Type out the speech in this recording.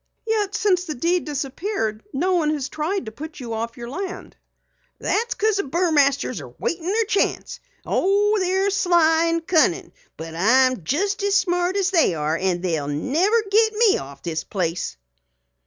"Yet since the deed disappeared no one has tried to put you off your land." "That's cause the Burmasters are waitin' their chance. Oh, they're sly and cunning. But I'm jest as smart as they are, and they'll never git me off this place!"